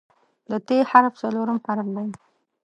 د "ت" حرف څلورم حرف دی.